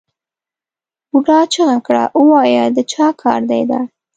بوډا چیغه کړه ووایه د چا کار دی دا؟